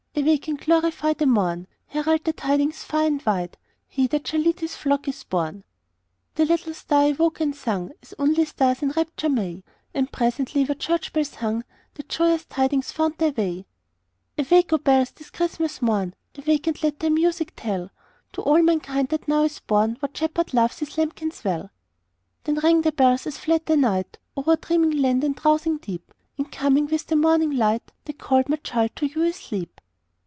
"Awake and glorify the morn! Herald the tidings far and wide He that shall lead His flock is born!" The little star awoke and sung As only stars in rapture may, And presently where church bells hung The joyous tidings found their way. [Illustration: Share thou this holy time with me, The universal hymn of love. ] "Awake, O bells! 't is Christmas morn Awake and let thy music tell To all mankind that now is born What Shepherd loves His lambkins well!" Then rang the bells as fled the night O'er dreaming land and drowsing deep, And coming with the morning light, They called, my child, to you asleep.